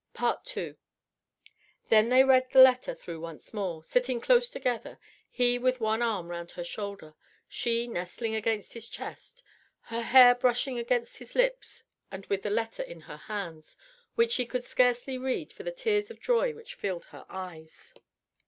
II Then they read the letter through once more, sitting close together, he with one arm round her shoulder, she nestling against his chest, her hair brushing against his lips and with the letter in her hands which she could scarcely read for the tears of joy which filled her eyes.